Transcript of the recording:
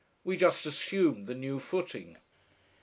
We just assumed the new footing....